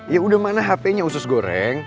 ya udah mana hpnya usus goreng